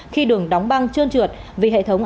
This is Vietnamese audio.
khi đường đóng băng trơn trượt vì hệ thống